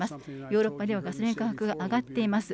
ヨーロッパではガソリン価格が上がっています。